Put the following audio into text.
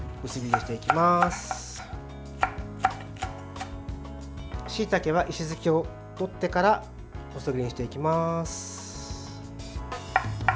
しいたけは石突きを取ってから細切りにしていきます。